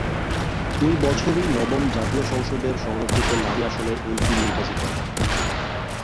ওই বছরই নবম জাতীয় সংসদের সংরক্ষিত নারী আসনে এমপি নির্বাচিত হন।